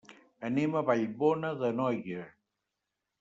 Anem a Vallbona d'Anoia.